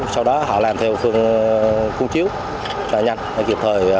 sau đó họ làm theo phương cung chiếu và nhanh để kịp thời